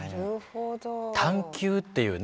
「探究」っていうね